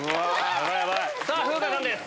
さぁ風花さんです。